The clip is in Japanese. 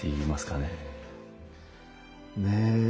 ねえ。